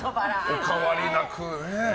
お変わりなく。